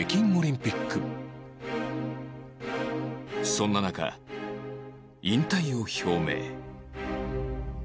そんな中引退を表明